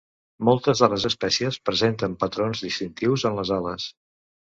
Moltes de les espècies presenten patrons distintius en les ales.